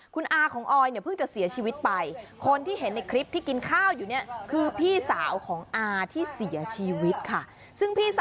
คุณอาของออยล์เนี่ยเพิ่งจะเสียชีวิตไป